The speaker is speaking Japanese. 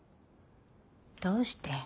どうして？